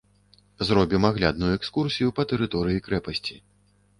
Зробім аглядную экскурсію па тэрыторыі крэпасці.